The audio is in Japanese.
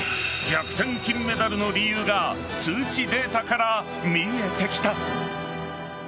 逆転金メダルの理由が数値データから見えてきた。